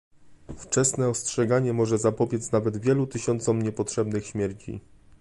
Wczesne ostrzeganie może zapobiec nawet wielu tysiącom niepotrzebnych śmierci